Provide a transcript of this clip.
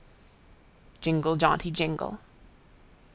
Jingle jaunty jingle.